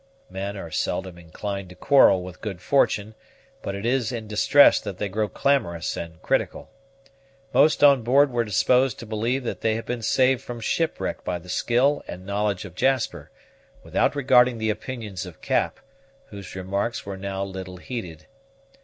Men are seldom inclined to quarrel with good fortune, but it is in distress that they grow clamorous and critical. Most on board were disposed to believe that they had been saved from shipwreck by the skill and knowledge of Jasper, without regarding the opinions of Cap, whose remarks were now little heeded.